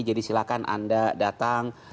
jadi silahkan anda datang